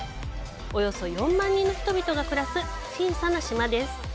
およそ４万人の人々が暮らす小さな島です。